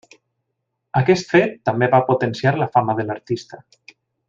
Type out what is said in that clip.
Aquest fet, també va potenciar la fama de l’artista.